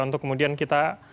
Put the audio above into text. untuk kemudian kita